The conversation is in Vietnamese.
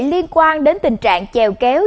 liên quan đến tình trạng chèo kéo